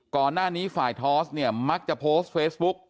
ก่อนหน้านี้ฝ่ายทอสเนี่ยมักจะโพสต์เฟซบุ๊ก